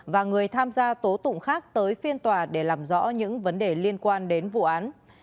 và người tham gia tố tụng khác tới phiên tòa để làm rõ những vấn đề liên quan đến vụ án